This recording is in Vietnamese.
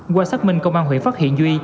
qua xác minh công an huyện phát hiện duy